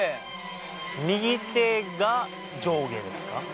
右手が上下ですか？